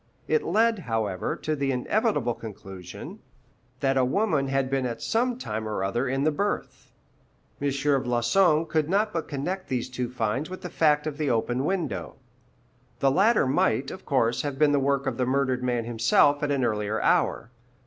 It led, however, to the inevitable conclusion that a woman had been at some time or other in the berth. M. Floçon could not but connect these two finds with the fact of the open window. The latter might, of course, have been the work of the murdered man himself at an earlier hour.